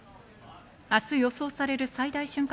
明日予想される最大瞬間